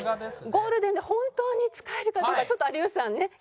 ゴールデンで本当に使えるかどうかちょっと有吉さんねっ？